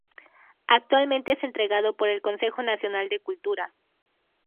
Actualmente es entregado por el Consejo Nacional de Cultura.